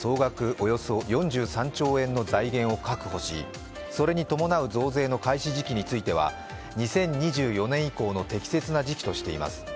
およそ４３兆円の財源を確保しそれに伴う増税の開始時期については２０２４年以降の適切な時期としています。